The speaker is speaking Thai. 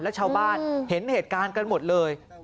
และชาวบ้านเห็นเหตุการณ์กันหมดเลย